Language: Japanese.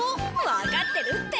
わかってるって。